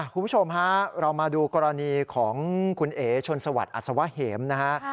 คุณผู้ชมฮะเรามาดูกรณีของคุณเอ๋ชนสวัสดิอัศวะเหมนะฮะ